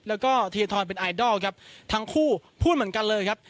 แล้วก็ธีรทรเป็นไอดอลครับทั้งคู่พูดเหมือนกันเลยครับ